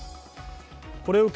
これを受け